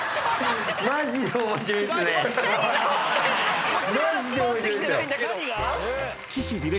マジで面白いんですよ。